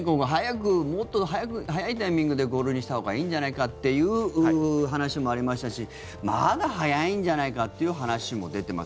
もっと早いタイミングで５類にしたほうがいいんじゃないかっていう話もありましたしまだ早いんじゃないかっていう話も出ています。